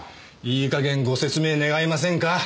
いい加減ご説明願えませんか？